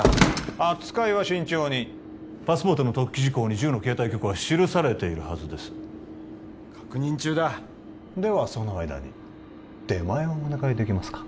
扱いは慎重にパスポートの特記事項に銃の携帯許可は記されているはずです確認中だではその間に出前をお願いできますか？